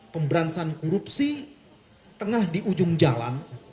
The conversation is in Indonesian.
pemberantasan korupsi tengah di ujung jalan